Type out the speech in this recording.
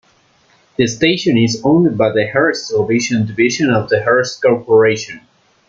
The station is owned by the Hearst Television division of the Hearst Corporation.